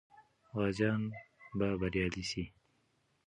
غازیان به بریالي سي.